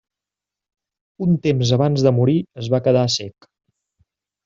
Un temps abans de morir es va quedar cec.